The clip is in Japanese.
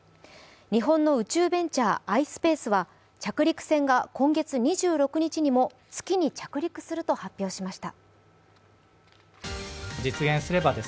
日本の宇宙ベンチャー、ｉｓｐａｃｅは着陸船が今月２６日にも月に着陸すると発表しました。